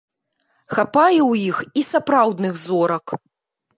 Хапае ў іх і сапраўдных зорак.